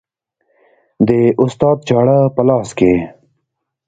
د استاد چاړه په لاس کې